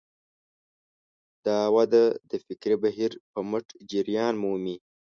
دا وده د فکري بهیر په مټ جریان مومي.